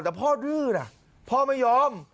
แต่พ่อดื้อนะพ่อไม่ยอม